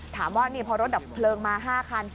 ถามว่านี่พอรถดับเพลิงมา๕คัน